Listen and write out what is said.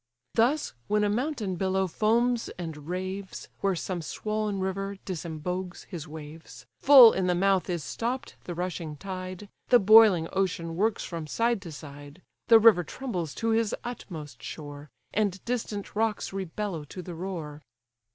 Thus, when a mountain billow foams and raves, Where some swoln river disembogues his waves, Full in the mouth is stopp'd the rushing tide, The boiling ocean works from side to side, The river trembles to his utmost shore, And distant rocks re bellow to the roar.